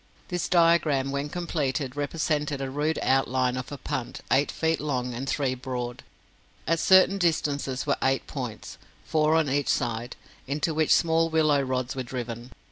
This diagram when completed represented a rude outline of a punt, eight feet long and three broad. At certain distances were eight points four on each side into which small willow rods were driven.